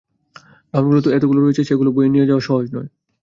Gown তো এতগুলো রয়েছে, সেগুলি বয়ে নিয়ে যাওয়া সহজ নয়।